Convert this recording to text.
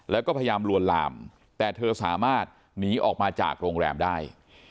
แล้วก็พยายามลวนลามแต่เธอสามารถหนีออกมาจากโรงแรมได้